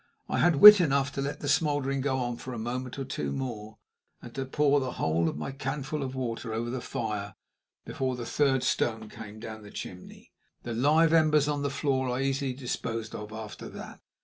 I had wit enough to let the smoldering go on for a moment or two more, and to pour the whole of my canful of water over the fire before the third stone came down the chimney. The live embers on the floor I easily disposed of after that.